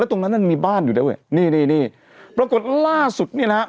ตรงนั้นนั้นมีบ้านอยู่แล้วเว้ยนี่ปรากฏล่าสุดเนี่ยนะครับ